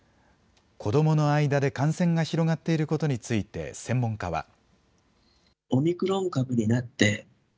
子どもの間で感染が広がっていることについて、専門家は。